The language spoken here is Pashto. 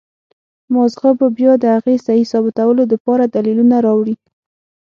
مازغه به بيا د هغې سهي ثابتولو د پاره دليلونه راوړي